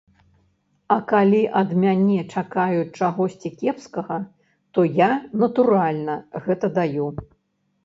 А калі ад мяне чакаюць чагосьці кепскага, то я, натуральна, гэта даю.